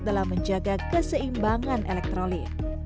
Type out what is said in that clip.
dalam menjaga keseimbangan elektroli